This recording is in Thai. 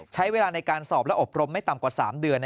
ใช้เวลาในการสอบและอบรมไม่ต่ำกว่า๓เดือน